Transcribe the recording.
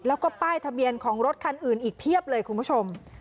แล้วก็ป้ายทะเบียนของรถคันอื่นอีกเพียบเลยคุณผู้ชม